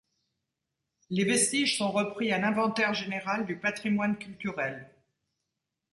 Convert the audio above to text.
Les vestiges sont repris à l'Inventaire général du patrimoine culturel.